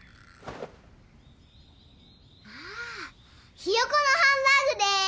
あひよこのハンバーグです！